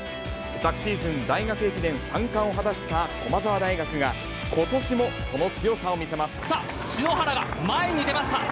昨シーズン、大学駅伝３冠を果たした駒澤大学が、さあ、篠原が前に出ました。